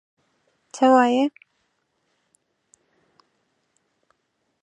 څه وایې؟